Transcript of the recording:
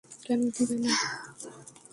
কেন দিবে না?